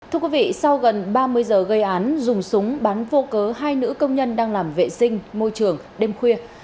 thưa quý vị sau gần ba mươi giờ gây án dùng súng bắn vô cớ hai nữ công nhân đang làm vệ sinh môi trường đêm khuya